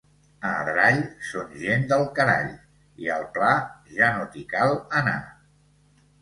A Adrall són gent del carall, i al Pla ja no t'hi cal anar.